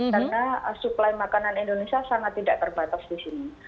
karena supply makanan indonesia sangat tidak terbatas di sini